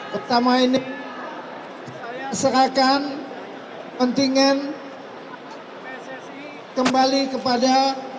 pertama ini saya serahkan pentingan pssi kembali kepada